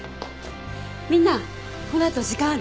みんなこの後時間ある？